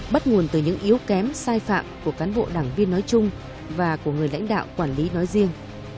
bắt nguồn từ những yếu kém sai phạm của cán bộ đảng viên nói chung và của người lãnh đạo quản lý nói riêng